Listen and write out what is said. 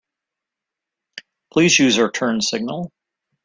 Please use your turn signal.